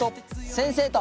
先生と。